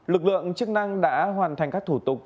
lực lượng chức năng đã hoàn thành các thủ tục